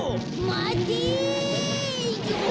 まて！